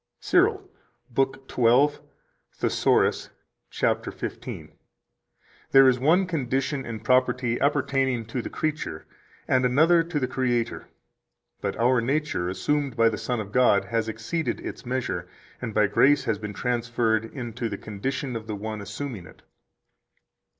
119 CYRIL, lib. 12, Thesauri, cap. 15 (t. 2, p. 167 [t. 5, ed. Paris, 1638 ): "There is one condition and property appertaining to the creature and another to the Creator, but our nature, assumed by the Son of God, has exceeded its measure, and by grace has been transferred into the condition of the One assuming it."